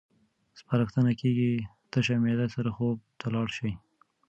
سپارښتنه کېږي تشه معده سره خوب ته لاړ شئ.